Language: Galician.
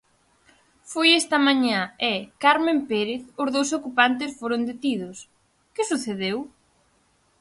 Foi esta mañá e, Carmen Pérez, os dous ocupantes foron detidos, que sucedeu?